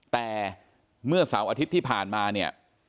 แต่เมื่อเสาร์อาทิตย์ที่ผ่านมาเนี่ย